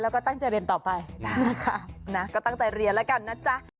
แล้วก็ตั้งใจเรียนต่อไปนะคะนะก็ตั้งใจเรียนแล้วกันนะจ๊ะ